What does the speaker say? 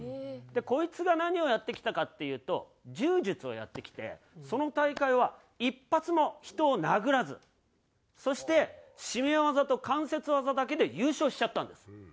こいつが何をやってきたかっていうと柔術をやってきてその大会は一発も人を殴らずそして絞め技と関節技だけで優勝しちゃったんです。